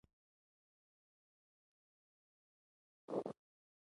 دندې ته یې بلنه هم راغلې ده.